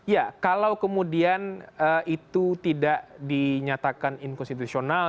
ya kalau kemudian itu tidak dinyatakan inkonstitusional